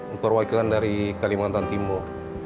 untuk perwakilan dari kalimantan timur